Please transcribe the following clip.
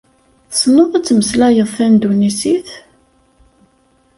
Tessneḍ ad temmeslayeḍ tandunisit?